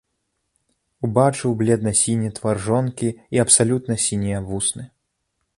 Убачыў бледна-сіні твар жонкі і абсалютна сінія вусны.